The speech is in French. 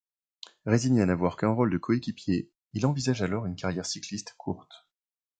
Résigné à n'avoir qu'un rôle de coéquipier, il envisage alors une carrière cycliste courte.